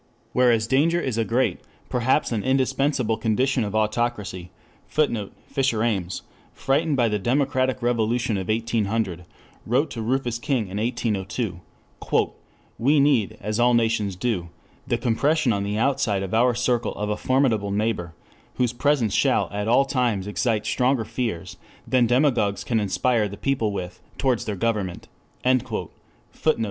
Whereas danger is a great, perhaps an indispensable condition of autocracy, [Footnote: Fisher Ames, frightened by the democratic revolution of 1800, wrote to Rufus King in 1802: "We need, as all nations do, the compression on the outside of our circle of a formidable neighbor, whose presence shall at all times excite stronger fears than demagogues can inspire the people with towards their government."